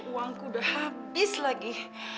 uangku udah habis lagi